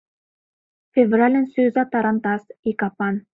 Февральын сӱрза тарантас, ий капан